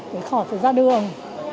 để khỏi phải ra đường